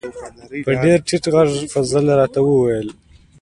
په ډیر ټیټ غږ فضل را ته و ویل: